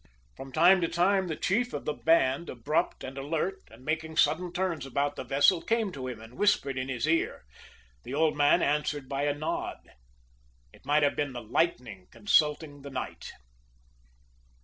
From time to time the chief of the band, abrupt and alert, and making sudden turns about the vessel, came to him and whispered in his ear. The old man answered by a nod. It might have been the lightning consulting the night.